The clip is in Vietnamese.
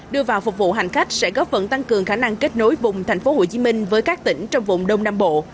đưa vào phục vụ hành khách sẽ góp phần tăng cường khả năng kết nối vùng thành phố hồ chí minh với các tỉnh trong vùng đông nam bộ